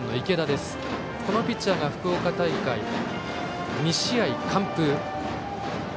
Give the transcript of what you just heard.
このピッチャーが福岡大会、２試合完封。